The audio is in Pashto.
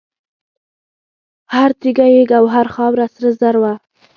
هر تیږه یې ګوهر، خاوره سره زر وه